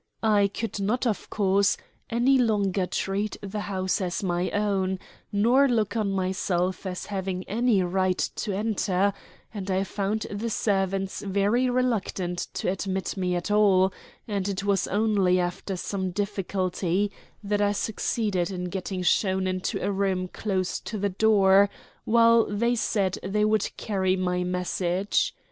I could not, of course, any longer treat the house as my own, nor look on myself as having any right to enter, and I found the servants very reluctant to admit me at all, and it was only after some difficulty that I succeeded in getting shown into a room close to the door, while they said they would carry my message.